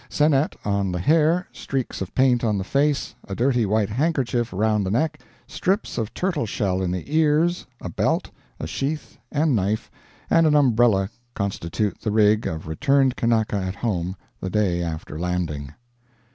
'Senet' on the hair, streaks of paint on the face, a dirty white handkerchief round the neck, strips of turtle shell in the ears, a belt, a sheath and knife, and an umbrella constitute the rig of returned Kanaka at home the day after landing."